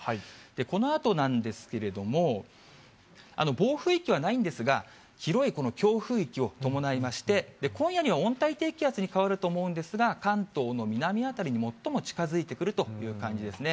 このあとなんですけれども、暴風域はないんですが、広いこの強風域を伴いまして、今夜には温帯低気圧に変わると思うんですが、関東の南辺りに最も近づいてくるという感じですね。